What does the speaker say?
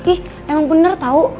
ih emang bener tau